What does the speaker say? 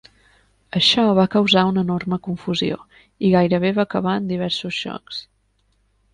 Això va causar una enorme confusió, i gairebé va acabar en diversos xocs.